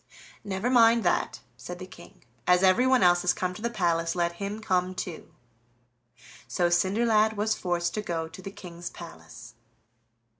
"Never mind that," said the King; "as everyone else has come to the palace, let him come too." So Cinderlad was forced to go to the King's palace.